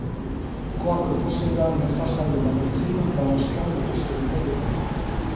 Quoique possédant une façade maritime, Palasca ne possède pas de port.